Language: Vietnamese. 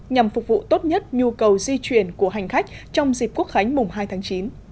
nhằm phục vụ tốt nhất nhu cầu di chuyển của hành khách trong dịp quốc khánh mùng hai tháng chín